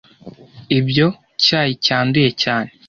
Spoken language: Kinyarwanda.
Ibyo cyayi cyanduye cyane.